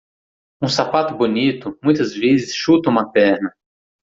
Um sapato bonito muitas vezes chuta uma perna.